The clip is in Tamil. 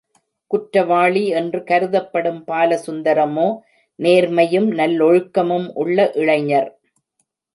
குற்றவாளி என்று கருதப்படும் பாலசுந்தரமோ நேர்மையும் நல்லொழுக்கமும் உள்ள இளைஞர்.